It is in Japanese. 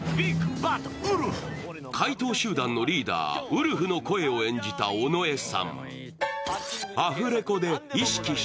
怪盗集団のリーダー、ウルフの声を演じた尾上さん。